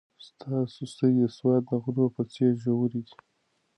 ستا سترګې د سوات د غرو په څېر ژورې دي.